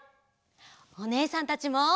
おねえさんたちも。